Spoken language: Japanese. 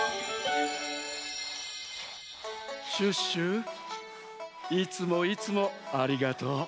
シュッシュいつもいつもありがとう。